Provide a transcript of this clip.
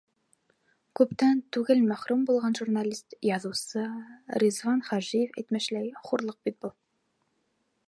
Күптән түгел мәрхүм булған журналист, яҙыусы Ризван Хажиев әйтмешләй, хурлыҡ бит был.